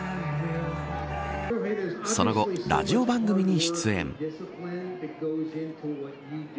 その後、ラジオ番組に出演。